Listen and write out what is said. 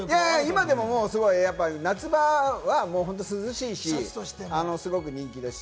今でも夏場は本当に涼しいし、すごく人気です。